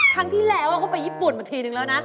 ครั้งที่แล้วเขาไปญี่ปุ่นมาทีนึงแล้วนะ